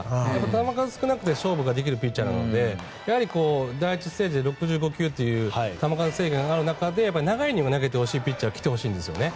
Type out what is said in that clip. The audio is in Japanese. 球数が少なくて勝負ができるピッチャーなので第１ステージで６５球という球数制限がある中で長いイニングを投げられるピッチャーが来てほしいんですよね。